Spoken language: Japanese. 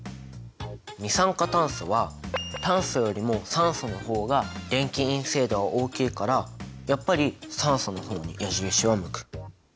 二酸化炭素は炭素よりも酸素の方が電気陰性度が大きいからやっぱり酸素の方に矢印は向く。